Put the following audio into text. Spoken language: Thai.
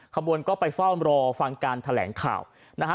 ขบวนก็ไปเฝ้ารอฟังการแถลงข่าวนะฮะ